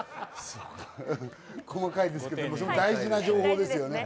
細かいですけども大事な情報ですよね。